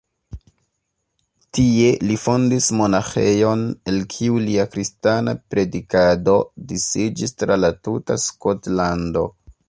Tie li fondis monaĥejon, el kiu lia kristana predikado disiĝis tra la tuta Skotlando.